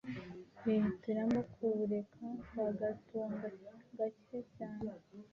bihitiramo kuwureka bagatunga gacye cyane